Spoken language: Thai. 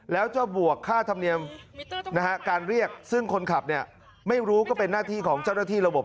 แล้วจะบวกค่าธรรมเนียมการเรียกซึ่งคนขับเนี่ยไม่รู้ก็เป็นหน้าที่ของเจ้าหน้าที่ระบบ